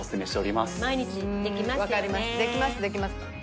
できますできます。